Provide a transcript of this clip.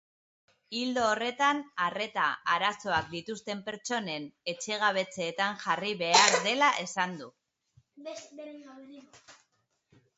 Ildo horretan, arreta arazoak dituzten pertsonen etxegabetzeetan jarri behar dela esan du.